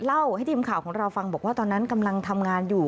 เล่าให้ทีมข่าวของเราฟังบอกว่าตอนนั้นกำลังทำงานอยู่